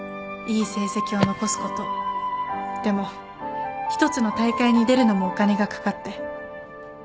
いい成績を残すことでも一つの大会に出るのもお金が掛かって。